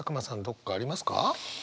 どっかありますか？